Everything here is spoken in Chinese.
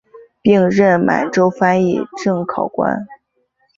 并任满洲翻译正考官。